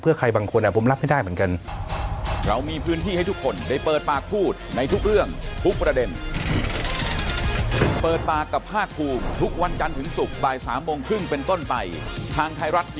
เพื่อใครบางคนผมรับไม่ได้เหมือนกัน